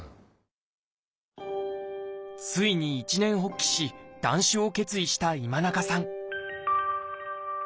ついに一念発起し断酒を決意した今中さん